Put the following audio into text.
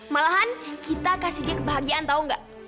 malahan kita kasih dia kebahagiaan tau gak